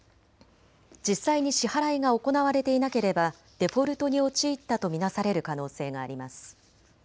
実際に支払いが行われていなければデフォルトに陥ったと見なされる可能性があります。